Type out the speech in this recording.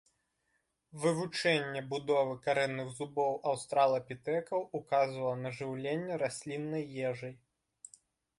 Вывучэнне будовы карэнных зубоў аўстралапітэкаў указвала на жыўленне расліннай ежай.